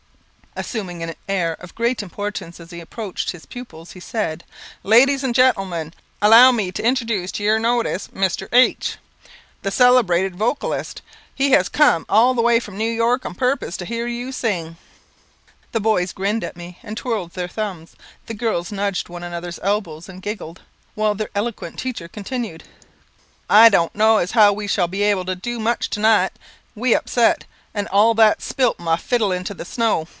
Assuming an air of great importance as he approached his pupils, he said "Ladies and gentlemen, allow me to introduce to your notice Mr. H , the celebrated vocalist. He has cum all the way from New York on purpose to hear you sing." The boys grinned at me and twirled their thumbs, the girls nudged one another's elbows and giggled, while their eloquent teacher continued "I don't know as how we shall be able to do much tonight; we upset, and that spilt my fiddle into the snow.